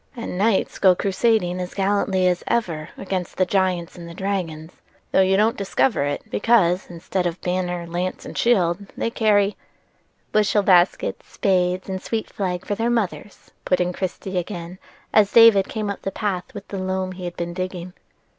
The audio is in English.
"And knights go crusading as gallantly as ever against the giants and the dragons, though you don't discover it, because, instead of banner, lance, and shield they carry"— "Bushel baskets, spades, and sweet flag for their mothers," put in Christie again, as David came up the path with the loam he had been digging.